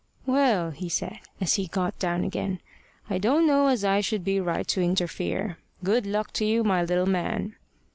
"Well," he said, as he got down again, "I don't know as I should be right to interfere. Good luck to you, my little man!"